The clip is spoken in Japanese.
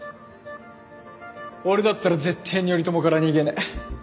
俺だったら絶対に頼朝から逃げねえ。